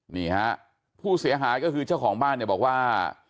นี่ฮะผู้เสียหายก็คือเจ้าของบ้านเนี่ยบอกว่า